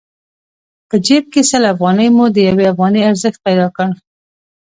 په جېب کې سل افغانۍ مو د يوې افغانۍ ارزښت پيدا کړ.